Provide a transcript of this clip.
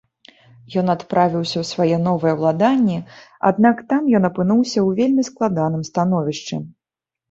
Ён адправіўся ў свае новыя ўладанні, аднак там ён апынуўся ў вельмі складаным становішчы.